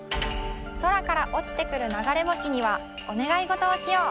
そらからおちてくるながれ星にはおねがいごとをしよう。